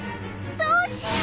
どうしよう！